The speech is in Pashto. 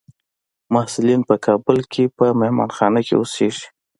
محصلین په کابل کې په مهانخانه کې اوسیږي.